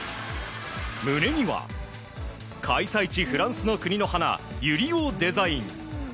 胸には、開催地フランスの国の花ユリをデザイン。